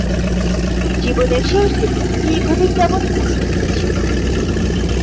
জীবনের শেষদিকে দীর্ঘদিন যাবৎ অসুস্থ ছিলেন।